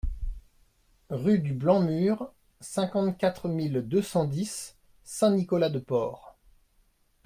Rue du Blanc Mur, cinquante-quatre mille deux cent dix Saint-Nicolas-de-Port